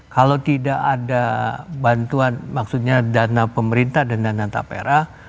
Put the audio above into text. kalau tidak ada bantuan maksudnya dana pemerintah dan dana tapera